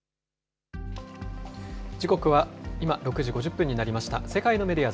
時刻は今、６時５０分になりました。